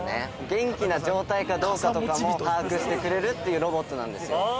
元気な状態かどうかとかも把握してくれるっていうロボットなんですよ。